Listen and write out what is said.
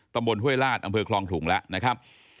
ตำบลเฮ้วยราชอำเภอคลองถุงแล้วนะครับ